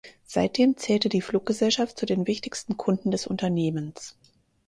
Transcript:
Seitdem zählte die Fluggesellschaft zu den wichtigsten Kunden des Unternehmens.